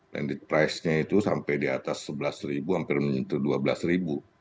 landed price nya itu sampai di atas sebelas ribu hampir menyentuh dua belas ribu